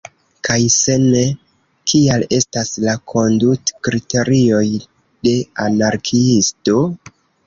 Kaj se ne, kiaj estas la kondutkriterioj de anarkiisto?